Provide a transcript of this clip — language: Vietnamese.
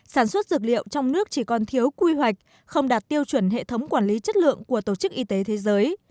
sản xuất dược liệu trong nước chỉ còn thiếu quy hoạch không đạt tiêu chuẩn hệ thống quản lý chất lượng của tổ chức y tế thế giới